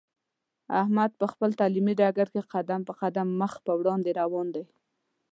احمد په خپل تعلیمي ډګر کې قدم په قدم مخ په وړاندې روان دی.